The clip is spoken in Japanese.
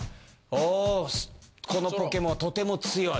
おぉこのポケモンはとても強い。